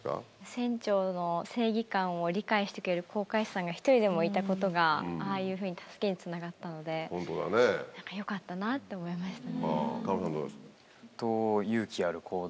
船長の正義感を理解してくれる航海士さんが一人でもいたことが、ああいうふうに助けにつながったので、なんかよかったなって思いました。